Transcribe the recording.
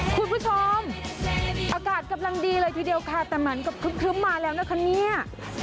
คุณผู้ชมอากาศกำลังดีเลยทีเดียวค่ะแต่เหมือนกับครึ้มมาแล้วนะคะเนี่ย